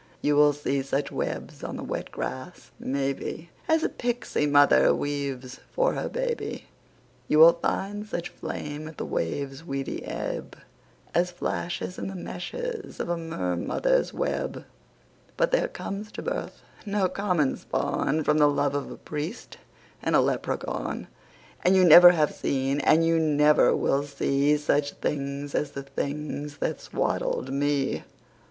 You will see such webs on the wet grass, maybe, As a pixie mother weaves for her baby, You will find such flame at the wave's weedy ebb As flashes in the meshes of a mer mother's web, But there comes to birth no common spawn From the love of a priest and a leprechaun, And you never have seen and you never will see Such things as the things that swaddled me!